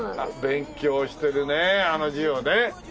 勉強してるねあの字をね。